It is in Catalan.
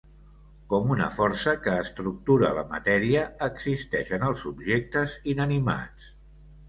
Com una força que estructura la matèria, existeix en els objectes inanimats.